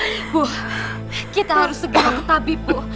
ibu kita harus segera ke tabi bu